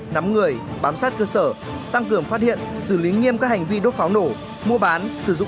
nắm người bám sát cơ sở tăng cường phát hiện xử lý nghiêm các hành vi đốt pháo nổ mua bán sử dụng